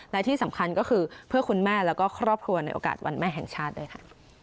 และที่สำคัญก็คือเพื่อคุณแม่แล้วก็ครอบครัวในโอกาสวันแม่แห่งชาติด้วยค่ะ